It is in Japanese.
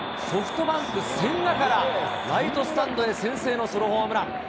ソフトバンク、千賀からライトスタンドへ先制のソロホームラン。